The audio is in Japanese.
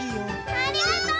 ありがとう！